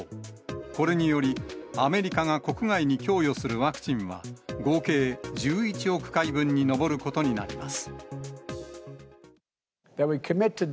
これにより、アメリカが国外に供与するワクチンは、合計１１億回分に上ることになります。